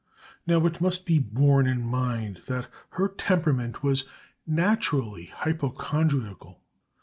Now it must be borne in mind that her temperament was naturally hypochondriacal.